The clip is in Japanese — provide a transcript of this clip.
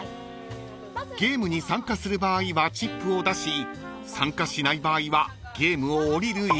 ［ゲームに参加する場合はチップを出し参加しない場合はゲームを降りる意思表示］